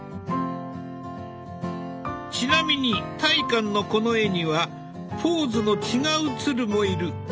ちなみに大観のこの絵にはポーズの違う鶴もいる。